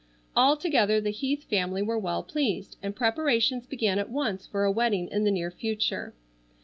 Altogether the Heath family were well pleased, and preparations began at once for a wedding in the near future.